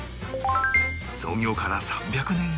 創業から３００年以上